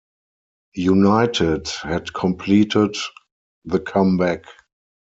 United had completed the come-back.